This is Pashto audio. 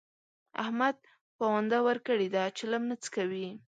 احمد پونده ورکړې ده؛ چلم نه څکوي.